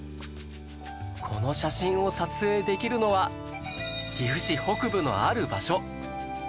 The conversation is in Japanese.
この写真を撮影できるのは岐阜市北部のある場所